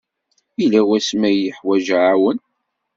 Yella wasmi ay teḥwajeḍ aɛawen?